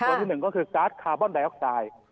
ตัวที่๑ก็คือการ์ดคาร์บอนไดออกไซด์